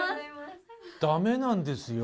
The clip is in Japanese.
ダメなんですよ。